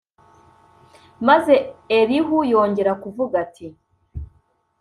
maze elihu yongera kuvuga ati